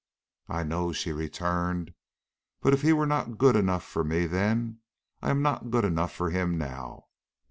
"I know," she returned; "but if he were not good enough for me then, I am not good enough for him now.